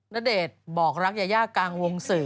ณเดชน์บอกรักยายากลางวงสื่อ